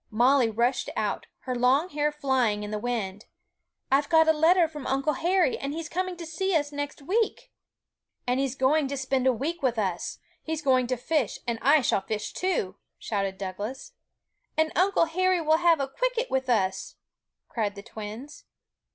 Molly rushed out, her long hair flying in the wind: 'I've got a letter from Uncle Harry, and he is coming to see us next week!' 'And he's going to spend a week with us; he's going to fish, and I shall fish too!' shouted Douglas. 'And Uncle Harry will have cwicket with us!' cried the twins.